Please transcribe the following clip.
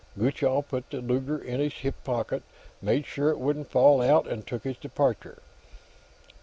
Gutchall put the Luger in his hip pocket, made sure it wouldn't fall out, and took his departure.